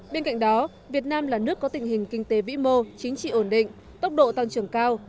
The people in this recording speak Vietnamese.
bên cạnh đó việt nam là nước có tình hình kinh tế vĩ mô chính trị ổn định tốc độ tăng trưởng cao